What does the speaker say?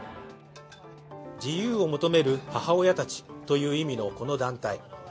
自由を求める母親たちという意味の、この団体。